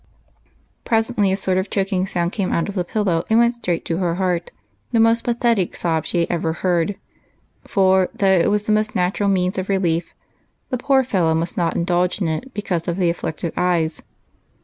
Presently, a sort of choking sound came out of the pillow, and went straight to her heart, — the most pathetic sob she ever heard, for, though it was the most natural means of relief, the poor fellow must not indulge in it because of the afflicted eyes.